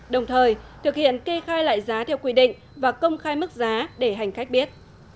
đồng thời thực hiện kê khai lại giá theo quy định và công khai mức giá để hành khách biết